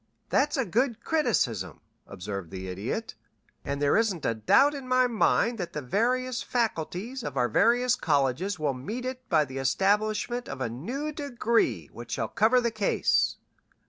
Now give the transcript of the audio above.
"That's a good criticism," observed the Idiot, "and there isn't a doubt in my mind that the various faculties of our various colleges will meet it by the establishment of a new degree which shall cover the case."